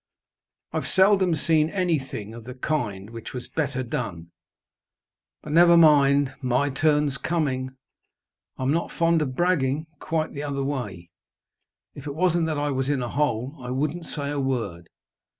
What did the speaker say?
I've seldom seen any thing of the kind which was better done. But never mind my turn's coming! I'm not fond of bragging quite the other way. If it wasn't that I was in a hole, I wouldn't say a word.